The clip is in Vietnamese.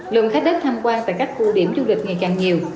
lượng khách đến tham quan tại các khu điểm du lịch ngày càng nhiều